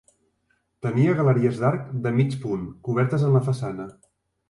Tenia galeries d'arc de mig punt, cobertes en la façana.